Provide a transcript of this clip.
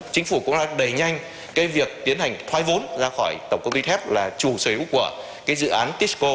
chính phủ cũng đã đẩy nhanh cái việc tiến hành thoái vốn ra khỏi tổng công thi thép là chủ sở hữu của cái dự án tisco